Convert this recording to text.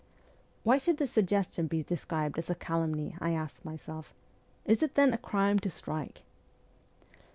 ' Why should this suggestion be described as a calumny ?' I asked myself. ' Is it, then, a crime to strike